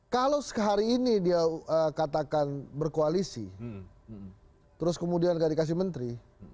kalau hari ini dia katakan berkoalisi terus kemudian gak dikasih menteri